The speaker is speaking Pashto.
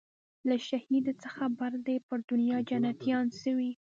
له شهیده څه خبر دي پر دنیا جنتیان سوي